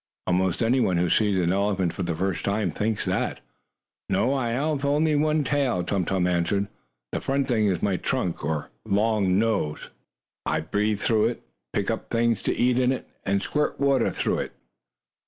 Almost anyone who sees an elephant for the first time thinks that. "No, I have only one tail," Tum Tum answered. "The front thing is my trunk, or long nose. I breathe through it, pick up things to eat in it, and squirt water through it."